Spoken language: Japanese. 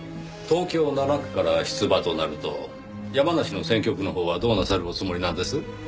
東京７区から出馬となると山梨の選挙区のほうはどうなさるおつもりなんです？